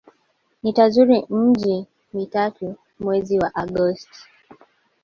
Nitazuru miji mitatu mwezi wa Agosti.